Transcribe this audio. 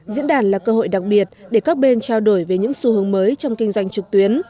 diễn đàn là cơ hội đặc biệt để các bên trao đổi về những xu hướng mới trong kinh doanh trực tuyến